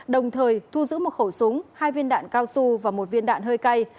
đồng thời thu giữ một khẩu súng hai viên đạn cao su và một viên đạn hơi cay